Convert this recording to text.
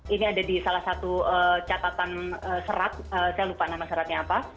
ini ada di salah satu catatan serat saya lupa nama seratnya apa